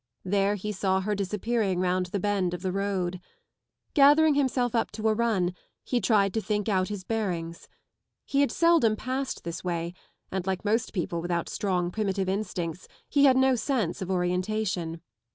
There he saw her disappearing round the bend o! the road. Gathering himself up to a run, he tried to think out his bearings. He had seldom passed this way, and like most people without strong primitive instincts he had no sense o! orientation.